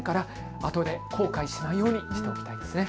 あとで後悔しないようにしておきたいですね。